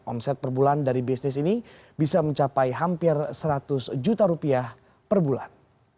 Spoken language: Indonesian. omset per bulan dari bisnis ini bisa mencapai hampir seratus juta rupiah per bulan